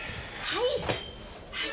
はい。